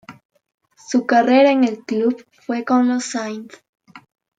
Su carrera en el club fue con los St.